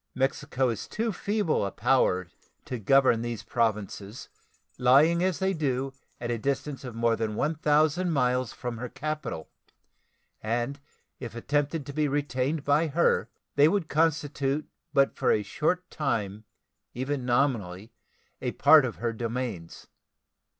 Mexico is too feeble a power to govern these Provinces, lying as they do at a distance of more than 1,000 miles from her capital, and if attempted to be retained by her they would constitute but for a short time even nominally a part of her dominions.